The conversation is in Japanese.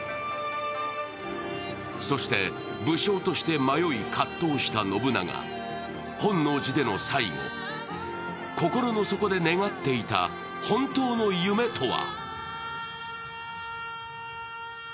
そして武将として迷い葛藤した信長本能寺での最期心の底で願っていた本当の夢とは？